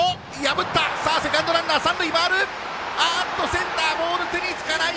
センターボール手につかない！